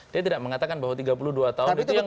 dia tidak mengatakan bahwa tiga puluh dua tahun itu yang